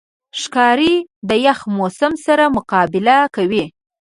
ښکاري د یخ موسم سره مقابله کوي.